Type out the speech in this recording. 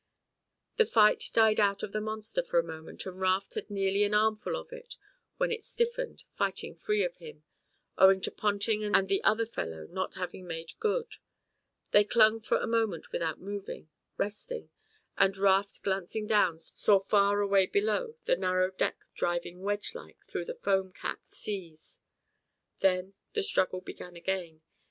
The fight died out of the monster for a moment and Raft had nearly an armful of it in when it stiffened, fighting free of him, owing to Ponting and the other fellow not having made good. They clung for a moment without moving, resting, and Raft glancing down saw far away below the narrow deck driving wedge like through the foam capped seas. Then the struggle began again.